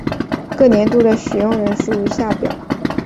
各年度的使用人数如下表。